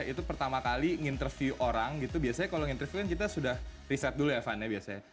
itu pertama kali nginterview orang gitu biasanya kalau nginterview kan kita sudah riset dulu ya van ya biasanya